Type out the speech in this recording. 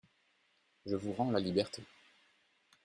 Je vous rends la liberté.